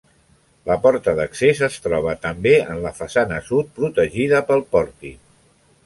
La porta d'accés es troba també en la façana sud, protegida pel pòrtic.